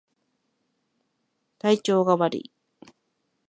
体調が悪い